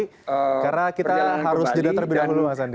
karena kita harus jeda terlebih dahulu mas aldi